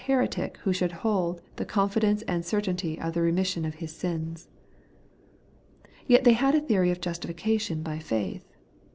155 heretic who should hoM 'the confidence and cer tainty of the remission of his sins.' Yet they had a theory of a justification by faith.